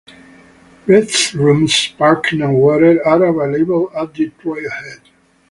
Restrooms, parking and water are available at the trailhead.